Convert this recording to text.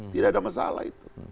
tidak ada masalah itu